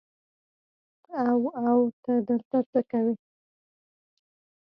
او او ته دلته څه کوې.